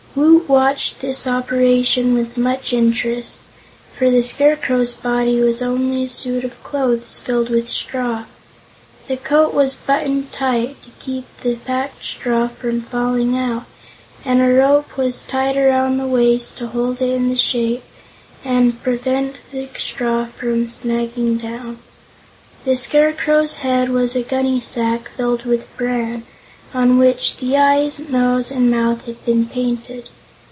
Woot watched this operation with much interest, for the Scarecrow's body was only a suit of clothes filled with straw. The coat was buttoned tight to keep the packed straw from falling out and a rope was tied around the waist to hold it in shape and prevent the straw from sagging down. The Scarecrow's head was a gunnysack filled with bran, on which the eyes, nose and mouth had been painted.